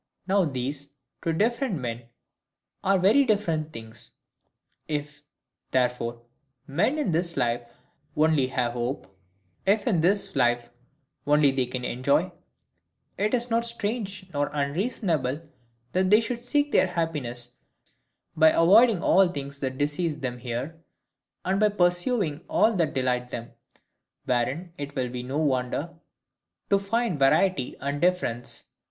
Now these, to different men, are very different things. If, therefore, men in this life only have hope; if in this life only they can enjoy, it is not strange nor unreasonable, that they should seek their happiness by avoiding all things that disease them here, and by pursuing all that delight them; wherein it will be no wonder to find variety and difference.